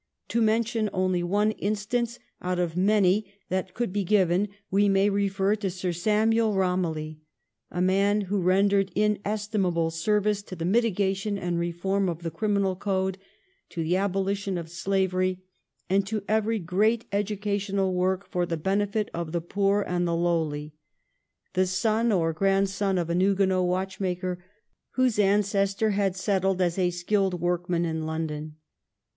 To mention only one instance out of many that could be given, we may refer to Sir Samuel Eomilly, a man who rendered inestimable service to the mitigation and the reform of the criminal code, to the abolition of slavery, and to every great educational work for the benefit of the poor and the lowly, the son or grandson of a Huguenot watch maker whose ancestor had settled as a skilled work man in London.